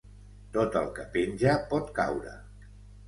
Tot el que penja pot caure.